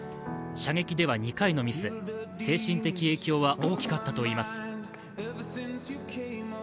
射撃では２回のミス、精神的影響は大きかったといいます。